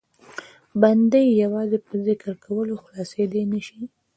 بنده یې یوازې په ذکر کولو خلاصېدای نه شي.